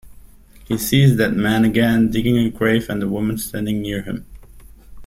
He sees that man again, digging a grave and a woman standing near him.